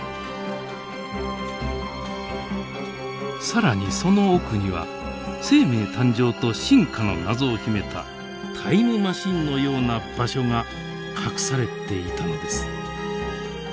更にその奥には生命誕生と進化の謎を秘めたタイムマシンのような場所が隠されていたのです。